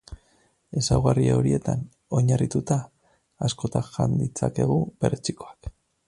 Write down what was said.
Ezaugarri horietan oinarrituta, askotan jan ditzakegu perretxikoak.